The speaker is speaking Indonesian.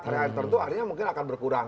hari hari tertentu akhirnya mungkin akan berkurang